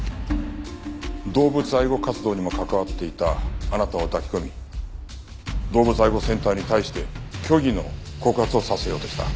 動物愛護活動にも関わっていたあなたを抱き込み動物愛護センターに対して虚偽の告発をさせようとした。